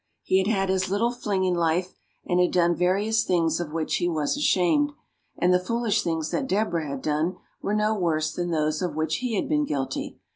He had had his little fling in life, and had done various things of which he was ashamed; and the foolish things that Deborah had done were no worse than those of which he had been guilty.